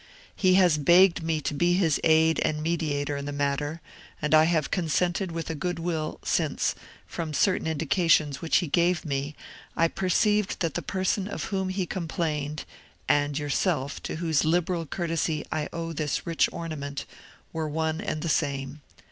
He has begged me to be his aid and mediator in the matter, and I have consented with a good will, since, from certain indications which he gave me, I perceived that the person of whom he complained, and yourself, to whose liberal courtesy I owe this rich ornament, were one and the same.